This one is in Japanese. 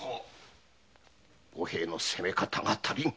五平の責め方が足りん。